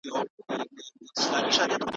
حاکمانو تل د خپلو ګټو لپاره کار کړی دی.